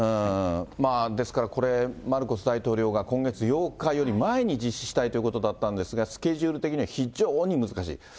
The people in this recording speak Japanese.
ですからこれ、マルコス大統領が今月８日より前に実施したいということだったんですが、スケジュール的には非常に難しい。